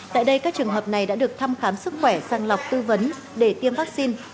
tại đây các trường hợp này đã được thăm khám sức khỏe sang lọc tư vấn để tiêm vaccine